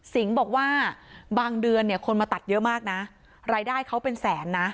บอกว่าบางเดือนเนี่ยคนมาตัดเยอะมากนะรายได้เขาเป็นแสนนะ